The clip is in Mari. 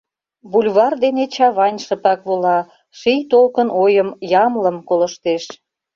Бульвар дене Чавайн шыпак вола, Ший толкын ойым, ямлым, колыштеш.